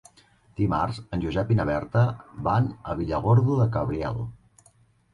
Dimarts en Josep i na Berta van a Villargordo del Cabriel.